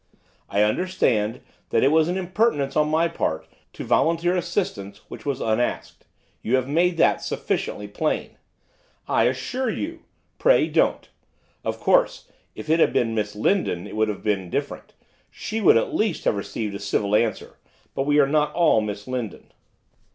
'I understand that it was an impertinence on my part to volunteer assistance which was unasked; you have made that sufficiently plain.' 'I assure you ' 'Pray don't. Of course, if it had been Miss Lindon it would have been different; she would at least have received a civil answer. But we are not all Miss Lindon.